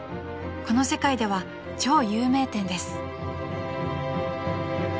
［この世界では超有名店です］